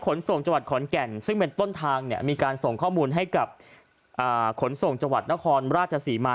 เขาว่าอย่างนั้นนะครับ